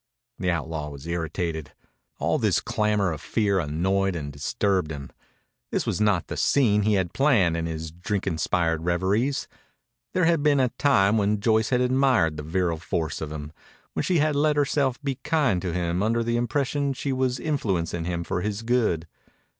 The outlaw was irritated. All this clamor of fear annoyed and disturbed him. This was not the scene he had planned in his drink inspired reveries. There had been a time when Joyce had admired the virile force of him, when she had let herself be kind to him under the impression she was influencing him for his good.